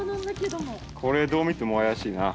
これどう見ても怪しいな。